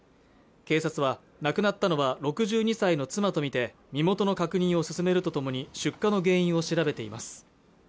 警察は亡くなったのは６２歳の妻とみて身元の確認を進めるとともに出火の原因を調べています